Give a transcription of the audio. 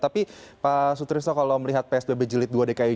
tapi pak sutrusno kalau melihat psbb jelit dua dkij